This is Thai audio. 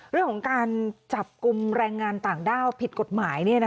เรื่องของการจับกลุ่มแรงงานต่างด้าวผิดกฎหมาย